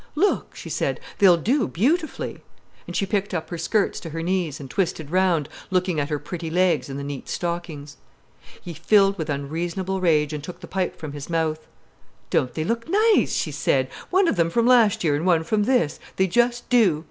"Look!" she said. "They'll do beautifully." And she picked up her skirts to her knees, and twisted round, looking at her pretty legs in the neat stockings. He filled with unreasonable rage, and took the pipe from his mouth. "Don't they look nice?" she said. "One from last year and one from this, they just do.